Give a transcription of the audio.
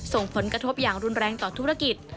ส่งผลกระทบอย่างรุนแรงต่อธุรกิจ